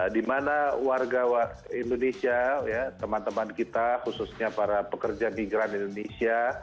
di mana warga indonesia teman teman kita khususnya para pekerja migran indonesia